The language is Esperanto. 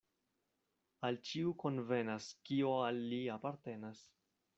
Al ĉiu konvenas, kio al li apartenas.